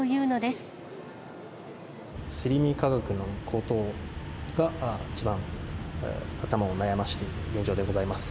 すり身価格の高騰が一番、頭を悩ましている現状でございます。